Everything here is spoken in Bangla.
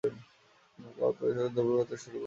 প্রবাল প্রাচীরগুলি দ্রবীভূত হতে শুরু করতে পারে।